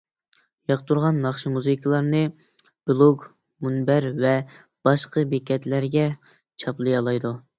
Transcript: ياقتۇرغان ناخشا-مۇزىكىلارنى بىلوگ، مۇنبەر ۋە باشقا بېكەتلەرگە چاپلىيالايدۇ.